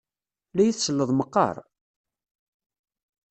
La iyi-tselleḍ meqqar?